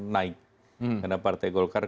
naik karena partai golkar